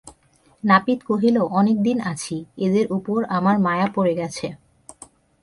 নাপিত কহিল, অনেক দিন আছি, এদের উপর আমার মায়া পড়ে গেছে।